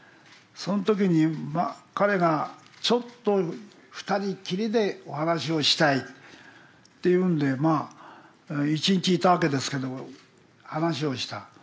その時に彼がちょっと２人きりでお話をしたいって言うんでまあ一日いたわけですけど話をした。